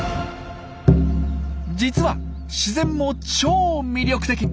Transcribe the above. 実は自然も超魅力的。